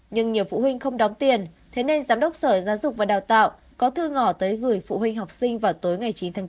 nhưng nhiều phụ huynh không đóng tiền thế nên giám đốc sở giáo dục và đào tạo có thư ngỏ tới gửi phụ huynh học sinh vào tối ngày chín tháng bốn